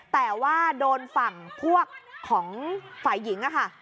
แต่ว่าโดนฝั่งพวกของฝ่ายหญิงอะค่ะ